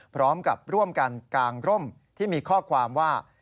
พร้อมกับร่วมกันกางร่มที่มีข้อความว่า